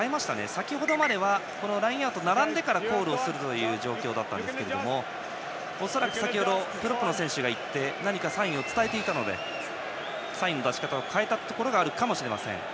先程まではラインアウトに並んでからコールするという状況でしたが恐らく、先程プロップの選手が行って何かサインを伝えていたのでサインの出し方を変えたところがあるかもしれません。